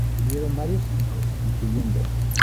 Tuvieron varios hijos, incluyendo.